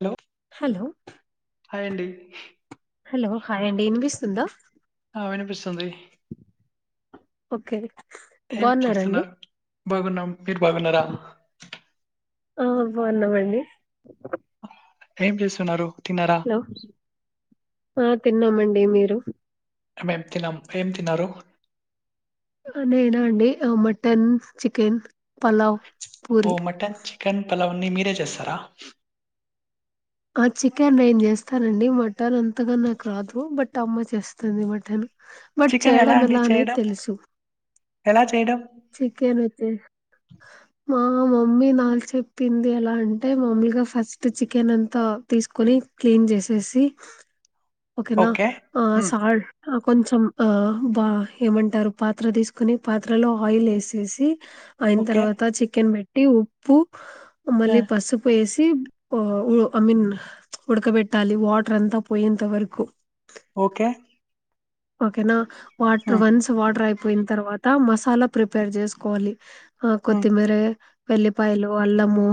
Hello hello hi అండి hello hi అండి వినిపిస్తుందా ఆ వినిపిస్తుంది ఓకే ఏం బాగున్నారండి? చేస్తున్నరు బాగున్నం మీరు బాగున్నారా? ఆ బాగున్నమండి ఏం చేస్తున్నారు? తిన్నారా? హలో తిన్నామండి మీరు మేం తిన్నం ఏం తిన్నరు నేనా అండి మటన్ చికెన్ పలవ్ పూరి లవన్నీ మీరే చేస్తారా ఆ చికెన్ నేను చేస్తానండి మటన్ అంతగా నాకు రాదు బట్ అమ్మ చేస్తుంది మటన్ బట్ చికెన్ చేయడం అండి ఎలా అనేది చేయడం? తెలుసు ఎలా చేయడం చికనైతే మా మమ్మీ నాలు చెప్పింది ఎలా అంటే మా మమ్మీగా ఫస్ట్ చికెన్ అంతా తీసుకొని క్లీన్ చేసేసి ఓకేనా ఓకే. ఆ హ్మ్. సాల్ కొంచం ఆ బా ఏమంటారు పాత్ర తీసుకొని పాత్రలో ఆయిల్ ఏసేసి అయిన ఓకే. తర్వాత చికెన్ పె ట్టీ ఉప్పు ఆ! మళ్ళీ పసుపు ఏసి ఐ మీన్ ఉడకబెట్టాలి వాటర్ అంతా పోయేంత వరకు ఓకే ఓకేనా వాటర్ హ్మ్. వన్స్ వాటర్ అయి పోయిన తర్వాత మసాలా ప్రిపేర్ చేసుకోవాలి ఆ హ్మ్. కొత్తిమీరే వేల్లిపాయలు అల్లము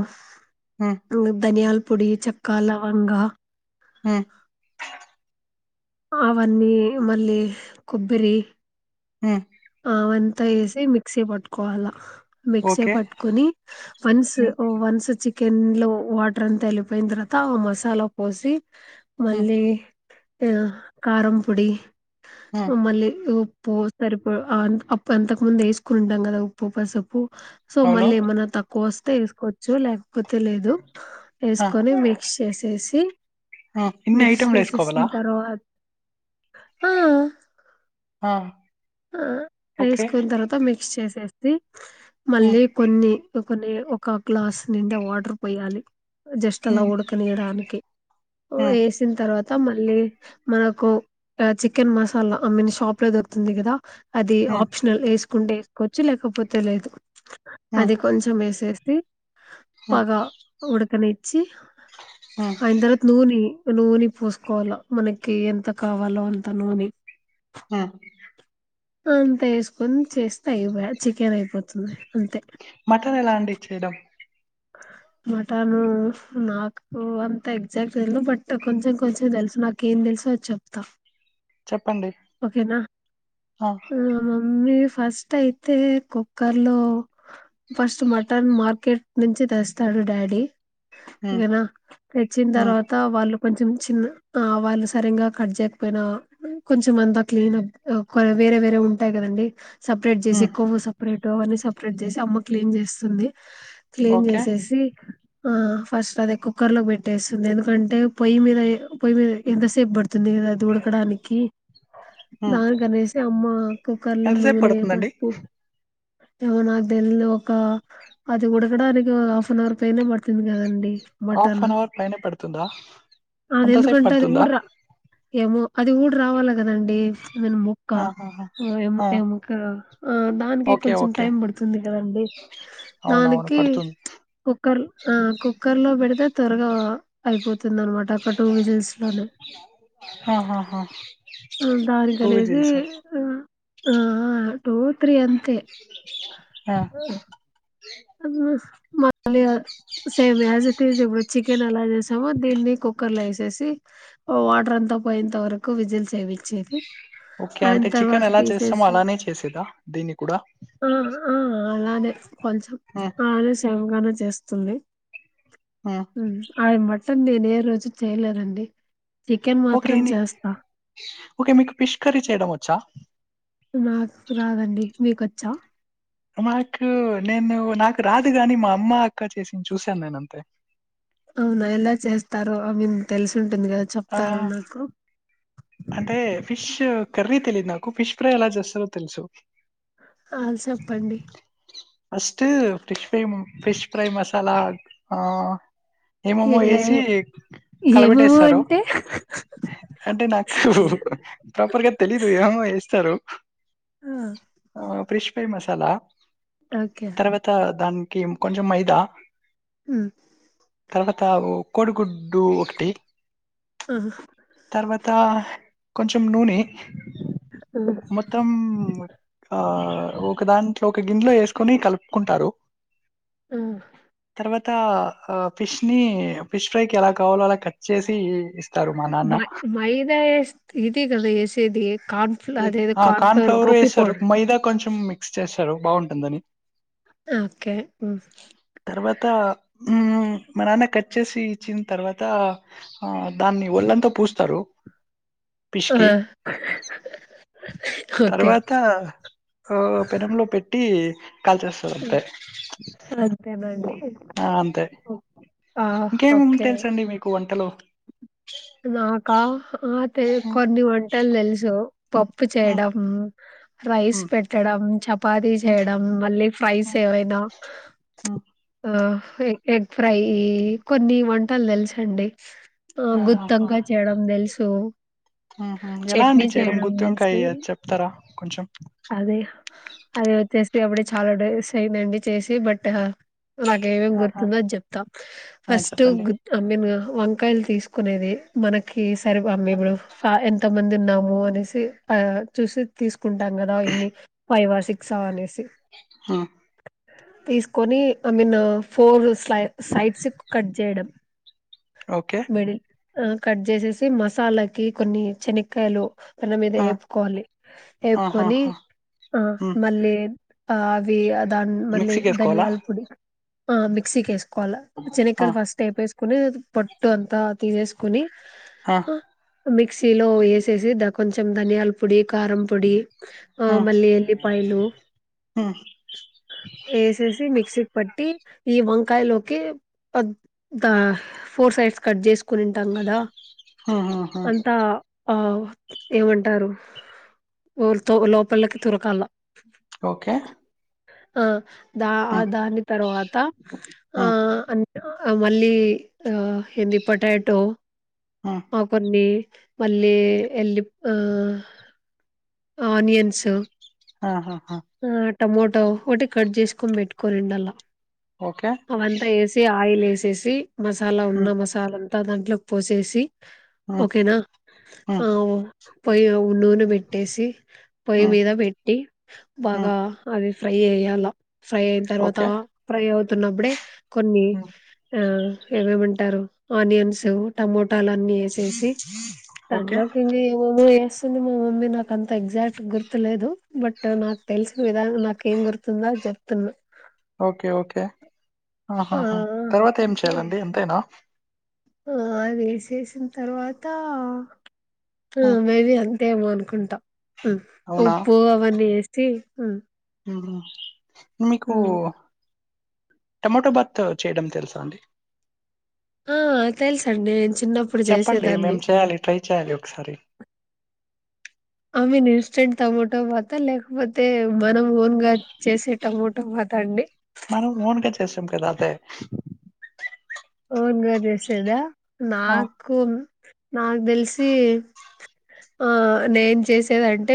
హ్మ్. [unintelligible] ధనియాలు పొడి చక్క లవంగా ఉ అవన్నీ మళ్ళీ కొబ్బరి హ్మ్. ఆ వన్ త్త వేసి మిక్సీ పట్టుకోవాలా మిక్స్ ఓకే. పట్టుకోని వన్స్ హ్మ్. ఓ వన్స్ చిక్ కెన్లో వాటర్ అంతా ఏలిపోయిన తర్వాత ఆ మసాలా పోసి హ్మ్. మళ్ళీ ఆ కారం పొడి హ్మ్. మళ్ళీ తు ఉప్పు సరిపో ఆ అప్పు అంతకు ముందు వేసుకుని ఉంటాం కదా ఉప్పు పసుపు సో అవును. మళ్ళె ఏమన్నా తక్కువ వస్తే తెసుకోవచ్చు లేక్ పోతే లేదు ఆ! ఏసుకొని మిక్స్ చేసేసి ఆ! ఇన్ని మిక్స్ చేసేసి ఐటెమ్‌లేసుకోవాలా? తర్వాత్ ఆ ఆ ఆ ఓకే. వేసుకున్న తర్వాత మిక్స్ చేసి చేస్తి హ్మ్. మళ్ళీ కొన్ని కొన్ని ఒక గ్లాస్ నిండ వాటర్ పోయాలి జస్ట్ అలా హ్మ్. ఉడకనియడానికి హ్మ్. వేసిన తర్వాత అ మళ్ళీ మనకు chicken masala I mean shop లో దొరుకుతుంది కదా అది హ్మ్. ఆప్షనల్ కుండేసుకోవచ్చు లేకపోతే లేదు హ్మ్. అది కొంచంేసే హ్మ్. పగా ఉడకనే వచ్చి హ్మ్. హ్మ్. ఆయన తర్వాత నూన నూనె పోూసుకోవాల మనకి ఎంత కావాలో అంత నూనె ఆ అంతా వేసుకొని చేస్త అయిపోయా చికెన్ అయిపో మటన్ ఎలాంటిడిచ్చడం మాటను నాకు అంత ఎగ్జాక్ట్ తెదు బట్ కొంచెం కొంచెం తెలుసు నాక ఏం తెలుసు అది చెప్తా చెప్పండి ఓకేనా ఆ మా మమ్మీ ఫస్ట్ అయితే కుక్కర్ లో ఫస్ట్ మటన్ మార్కెట్ నుంచి తెస్తాడు డాడీ ఉమ్ కేనా తెచ్చిన ఉమ్ తర్వాత వాళ్ళు కొంచం చిన్న వాళ్ళు సరిగా కట్ చేయకపోయినా కొంచెం అంతా క్లీన్ వేరే వేరే ఉంటాయి కదండి సపరేట్ చేసి ఎ ఉమ్ కొవ్వు సపరేట్ో అని స స్ప్రెడ్ చేసి అమ్మ క్లీన్ చేస్తుంది క్లీన్ ఓకే చేసేసి ఆ ఫస్ట్ అదే కుక్కర్ లో పెట్టేస్తుంది ఎందుకంటే పొయ్యి మీద పొయ్యి మీద ఎంతసేపు పడుతుంది వంది కదా దుడకడానికి ఉమ్ దానికనేసి అమ్మ కుక్కర్లో ఎంతసేపు నూనె పడుతుందండి పసుపు ఏమో నాకు తెలి ఒక అది కూడా కగడానికి హఫ్న్ అవర్ పైనే పతతుంది కదండి హాఫ్ మటన్ అన్ అవర్ పైన పడుతుందా అది అంతసేపు ఎందుకంటే అది పడుతుందా ఊడ రా ఏమో అది ఊడు రావాల కదండి నేను ముొక్క ఆహాహా ఆ ముక్క ఆ దానికి ఓకే కొంచెం ఓకే టైం పడుతుంది కదండి అవునవును దానికి పడుతుంది హా కుకర్ కు కుక్కర్లో పెడితే త్వరగా అయిపోతుంది అనమాట అక్క టూ విజిల్స్ లోనే ఆహాహా దానికి టూ అనేసి విజిల్స్ ఆ ఆ టూ త్రీ అంత ఆ అవు మ అలియ సేమ్ యాస్ టిస్ ఎ వచ్చి చికెన్ ఎలా చేసామో దీన్ని కుక్కర్ లో వేసేసి వాటర్ అంతా పోయేంత వరకు విజల్ సేవిచ్చేది ఓకే ఆయన అంటే చికెన్ తర్వాత ఎలా చేస్తామో తీసేసింది అలానే చేసేదా దీన్ని కూడా ఆ ఆ అలానే కొంచం ఉమ్ అదే సేమ్గానే చేస్ తుంది ఉమ్ హుమ్ అవి మాట్ తోన్ నేను ఏ రోజు చేయలేదండి చికెన్ ఓకే మాత్రం అండి చేస్తా ఓకే మీకు ఫిష్ కర్రీ చేయడం వచ్చా నాకు రాదండి మీకొచ్చ మాకు నేను నాకు రాదు కానీ మా అమ్మ అక్క చేసింది చూశాను నేను అంతే అవునా ఎలా చేస్తారో ఆ మేము తెలుసు ఆ అంటే ఫిష్ కర్రీ తెలిదు నాకు, ఫిష్ ఫ్రై ఎలా చేస్తారో తెలుసు అ సెప్పండి ఫస్ట్ ఫిష్ ఎమో ఫిష్ ఫ్రై మసాలా ఆ ఏ ఏమేమో ఏ వేసి ఏమేమో కలపెట్టేస్తారు. అంటే అంటే నాకు ప్రాపర్గా తెలీదు ఏమో వేస్తారు ఆ ఆ ఫిష్ ఫ్రై మసాలా ఓకే తర్వాత దాన్ ఇమ్ కొంచం మైదా హుమ్ తర్వాత ఓ కోడిగుడ్డు ఒకటి ఆ తర్వాత కొంచెం నూనె హ్మ్. మొత్తం ఆ ఒక దాంట్లో ఒక గిన్నెలో వేసుకొని కలుపుకుంటారు ఆ తర్వాత ఆ ఫిష్ ని ఫిష్ ఫ్రై కి ఎలా కావాలో అలా కట్ చేసి వేస్ మ మైదా ఎస్ ఇది గా వేసేది ఇది కార్న్ఫ్లోరు వేస్తారు పౌడర్ మైదా కొంచెం మొత్తం మిక్స్ చేశారు బాగుంటుందని ఓకే ఉ ఉ మా నాన్న కట్ చేసి ఇచ్చిన తర్వాత ఆ దాన్ని ఒళ్ళంతా పూస్తారు ఫిష్‌కి. [unintelligible] ఓకే తర్వాత హా పెనంలో పెట్టి యే కాల్చేస్తారు అంతే అంతేనండి ఆ అంతే ఆ ఇంకేం ఓకే తెలుసండి మీకు వంటలు నాకా అ తె హ్మ్. కొన్ని వంటల్ తెలుసు హెలో పప్పు హ్మ్. చేయడం రైస్ హ్మ్. పెట్టడం చేప్ పాధి హ్మ్. చేయడం మళ్ళీ ఫ్రైస్ హ్మ్. ఏవైనా హ్మ్. అయిన హా ఫ్రై ఎగ్ ఫ్రై కొన్ని వంటలు తెలుసండి ఆ ఆహాహా! గుత్తంకాయ చేయడం తెలుసు హుహు. ఎలా అండి చట్నీ చేయడం తెలుసు గుత్తొంకాయ చెప్తారా కొంచెం? అదే అ తే అప్పుడే చాలా డేస్ అయిందండి చేసి బట్ నాకేమేమి ఆహా గుర్తుందో అది చెప్తా ఆ ఫస్ట్ చెప్పండి గుత్తి ఐ మీన్ వన్ వంకాయలు తీసుకునేది మనకి సరి అమ్మ ఇప్పుడు ఎంత మంది ఉన్నాము అనేసి ఆ చూసి తీసుకుంటాం కదా ఇన్ని ఫైవ్ సిక్సా అనేసి హా తీసుకొని ఐ మీన్ ఫోర్ స్లై సైడ్స్క్ కట్ చేయడం ఓకే మిడిల్ ఆ కట్ చేసేసి మసాలాకి కొన్ని శనిక్కయలు పెనం మీద ఆ ఏపుకోవాలి ఏపుకొని ఆహాహా ఆ ఉమ్ మళ్ళీ అవి అ దాన్ మల్లీ మిక్సీకి వేసుకోవాలా ధనియాల పొడి ఆ మిక్సీ కేసుకో ఆ శనిక్కయలు ఫస్ట్ వేపేసు కొన్ని [unintelligible] పోట్టు అంతా తీసేసుకోని హా మిక్సీలో వేసేసి ద కొంచెం ధనియాల పొడి కారం పొడి ఆ ఉమ్ మళ్ళీ ఎల్లిపాయలు ఉమ్ వేసేసి మిక్సీ పట్టి ఈ వంకాయ లోకి ద ఫోర్ సైడ్స్ట్ చేసు కునింటాం కదా ఉమ్ ఉమ్ ఉమ్ అంతా ఆ ఏమంటారు త లోపలిలకి తురకాలా ఓకే ఆ దా ఆ ఉమ్ దాని తర్వాత ఆ ఉమ్ ఆ మళ్ళీ ఆ హింది పొటాటో ఉమ్ ఆ కొన్ని మళ్ళీ ఎల్లి ఆ ఆనియన్స్ ఆహాహా టమాటో ఒకటి కట్ చేసుకొని పెట్టుకోనిండల్ల ఓకే అవి అంతా ఏసేయ ఆయిల్ వేసేసి మసాలా ఉమ్ ఉన్నా మసాలా త్తా దాంట్లోకి పోసేసి ఉమ్ ఓకేనా ఉమ్ ఆ పోయి నూనె పెట్టేసి పొయ్యి ఉమ్ మీద పెట్టి బాగా ఉమ్ అది ఫ్రై ఎయ్యాల ఫ్రై అయిన తర్వాత ఓకే ఫ్రై అవు తునబడే కొన్ని ఉమ్ ఆ ఏవేమంటారు ఆనియన్స్ టమోటో ట్టాలన్నీ వేసేసి ఓకే దాంట్లోకి ఇంగా ఏవేవో స్తుంది మా మమ్మీ నాకు ఎగ్జాక్ట్ గుర్తులేదు బట్ నాకు తెలుసు విధానం నాకేం గుర్తుందో అది చెప్తున్నా ఓకే ఓకే ఆ ఆహాహా తరువాత ఏం యాలండి అంతేనా ఆ వేసేసిన్ తర్వాత ఆహ్ ఉమ్ మేబి అం అంతేమో అనుకుంటా. ఉమ్ అవునా ఉప్పు అవన్నీ ఎస్ టీస్కుం ఉమ్ ఆహ్ మీకు టమాటో బాత్ చేయడం తెలుసా అండి. ఆహ్ తెలుసండి నేను చిన్నప్పుడు చెప్పండి మేం చేసేదాన్ని.. చేయాలి ట్రై చేయాలి ఒకసారి ఐ మీన్ ఇన్స్టెంట్ టమోటో బాతా లేకపోతే మనం ఓన్గా చేసే టమోటో బాత్ ఆ అండి. మనం ఓన్ గా చేసాం కదా అదే. ఓన్గా చేసేదా. ఆ నాకు నాకు తెలిసి ఆహ్ నెంచేసేది అంటే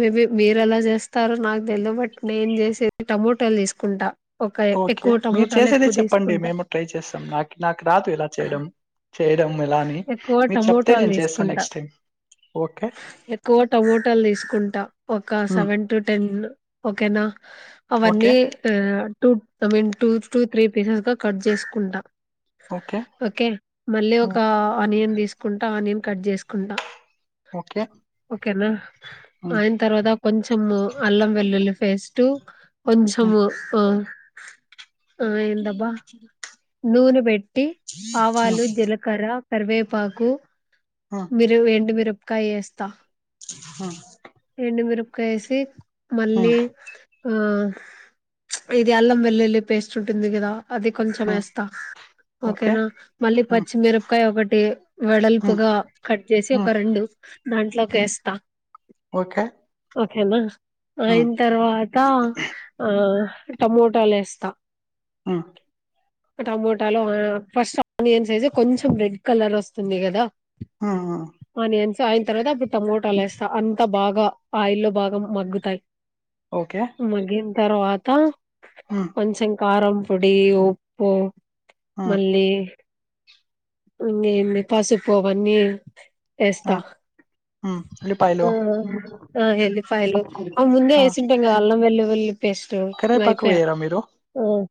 మేబీ మీరు ఎలా చేస్తారో నాకు తెలిదు బట్ నేను చేసేది టమోటోలు తీసుకుంటా. ఒక ఓకే ఎక్కువ మీరు టమోటాలు చేసేదే ఎక్కువ చెప్పండి తీసుకుంటా మేము ట్రై చేస్తాం నాకు నాకు రాదు ఎలా చేయడం చేయడం ఎలా అని ఎక్కువ మీరు చెప్తే టమోటాలు నేను చేస్తాను తీసుకుంటా నెక్స్ట్ టైం ఓ కే. ఎక్కువ టమోటాలు తీసుకుంటా. ఒక సెవెన్ టు టెన్ ఓకే నా ఓకే అవన్నీ ఆహ్ two I mean two two three pieces గా చేసుకుంటా. ఓకే మళ్ళీ ఒక హ్మ్. ఆనియన్ తీసుకుంటా ఆనియన్ కట్ చేసుకుంటా. ఓకే ఓకేనా హ్మ్. ఆయిన తర్వాత కొంచం అల్లం వెల్లుల్లి ఫేస్ట్ తూక్ హ్మ్. కొంచము ఆహ్ ఆహ్ ఎందబ్బా. నూనె బేట్ హ్మ్. ఆవాలు జీలకర్ర కర్వేపాకు హ్మ్. మీరు ఏండి మీరు కాయేస్తా. హ్మ్. ఎన్ని మీరు కైసి హ్మ్. మళ్ళీ ఆ ఇది అల్లం వెల్లుల్లి పేస్ట్ ఉంటుంది కదా అది కొంచం హ్మ్. ఎస్ తా ఓకే ఓకేనా మళ్ళీ హ్మ్. పచ్చిమిరపకాయ ఒకటి హ్మ్. వెడల్పుగా కట్ చేసి ఒక హ్మ్. రెండు దాంట్లోకి ఎస్తా ఓకే ఓకేనా హ్మ్. అయిన తర్వాత ఆ టమోటాలేస్తా ఆ టమోటాలో ఫస్ట్ ఆనియన్ సైజ్ కొంచెం రెడ్ కలర్ వస్తుంది కదా ఆ ఆయిన తర్వాత అప్పుడు టమోటాలు వేస్తా అంత బాగా ఆయిల్ ల్లో బాగా మగ్గుతాయి. ఓకే మగ్గిన్ తరువాత హ్మ్. కొంచెం కారం పొడి ఉ ప్పు హ్మ్. మళ్ళీ ఇంగే ఏమి పసుపు అవన్నీ ఏస్తా అ ఉల్లిపాయలు ఆ ఏల్లిపాయలు ఆ ముందే ఎసింటం కదా అల్లంవెళ్లి ఉల్లి పేస్టు ఇగ కరివేపాకు అయిపాయే వేయరా మీరు హ్మ్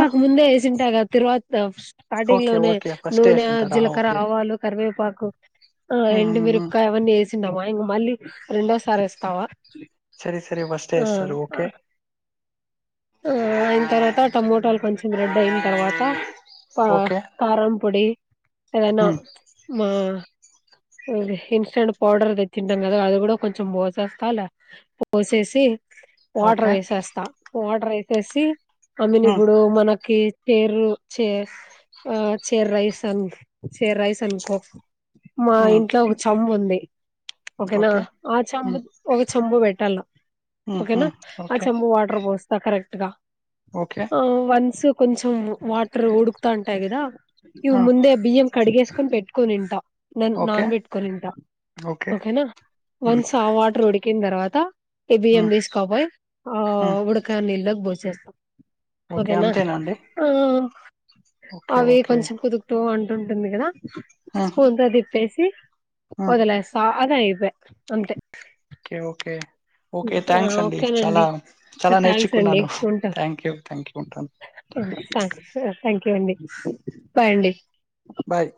ఆ? ముందే ఎసింట క తరువాత స్టార్టింగ్ ఓకే లోనే ఓకే ఫస్ట్ నూనె, వేసుంటారా జీలకర్ర, ఓకే ఆవాలు కరివేపాకు ఆ హ్మ్. హ్మ్. హ్మ్. మీరపాకాయ్ అవన్నీ ఏసి నమా ఇంగ మళ్ళీ రెండోసారి ఎస్తావా. సరే సరే ఫస్టే వేస్తరు ఓకే ఆ అయిన తర్వాత టమోటోలు కొంచెం రెడ్ అయిన తర్వాత ఆ ఓకే కారం పొడి ఏదైనా హ్మ్ మా ఇన్స్టంట్ పౌడర్ తెచ్చి ఉంటాం కదా అది కూడా కొంచెం పోసేస్తాలా పోసేసి వాటర్ ఓకే వేసేస్తా ఆర్డర్ వేసేసి హ్మ్ అమ్మినిప్పుడు మనకి చెరు చేస్ ఆ చేరైస్ అంక్ చేరైస్ అనుకో మా హ్మ్ ఇంట్లో ఒక చెంబుంది ఓకేనా ఓకే ఆ చంబు హ్మ్ ఒక చంబు పెట్ టల్ల హ్మ్ ఓకేనా హ్మ్ అ ఓకే చెంబు వాటర్ బోస్ కరెక్ట్గా ఓకే ఆ వన్సు కొంచెం వాటర్ ఉడుక్తా ఉంటాయ్ గదా ఇవి ఆ ముందే బియ్యం కడిగేసుకొని పెట్టుకొనింటా నన్ ఓకే నాన్ పెట్కోని తింటా ఓకే ఓకేనా హ్మ్ వన్స్ ఆ వాటర్ ఉడి కిన్ తర్వాత కి బియ్యం హ్మ్ తీస్కపోయ్ ఆ హ్మ్ ఉడక్ ఇల్లక్ బోజేస్తాం ఓకే ఓకేనా అంతేనా అండి ఆ ఓకే అవీ ఓకే కొంచెం కుదుక్తు అం ఉంటుంది కదా హ్మ్ స్పూన్తో తిప్పేస్ మ్ హ్మ్ వదిలేసా అదైతే అంతే ఓకే ఓకే ఓకే థ్యాంక్స్ అండి చాలా ఓకేనండి చాలా థ్యాంక్స్ అండి నేర్చుకున్నాను ఉంటా థ్యాంక్ యూ థ్యాంక్ యూ ఉంటాను ఓకే అండి బాయ్ అండి బాయ్